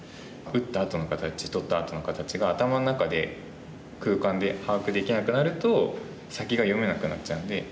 打ったあとの形取ったあとの形が頭の中で空間で把握できなくなると先が読めなくなっちゃうんで。